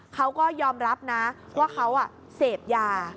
เขาก็ยอมรับนะว่าเขาเสพยา